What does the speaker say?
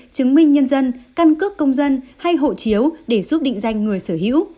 chứng minh nhân dân căn cước công dân hay hộ chiếu để giúp định danh người sở hữu